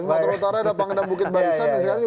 sumatera utara ada pangdam bukit barisan